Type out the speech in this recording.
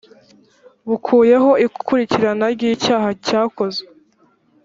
bukuyeho ikurikirana ry icyaha cyakozwe